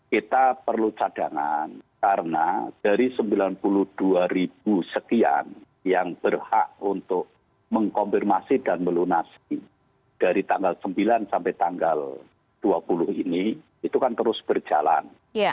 kita perlu cadangan karena dari sembilan puluh dua ribu sekian yang berhak untuk mengkonfirmasi dan melunasi dari tanggal sembilan sampai tanggal dua puluh ini itu kan terus berjalan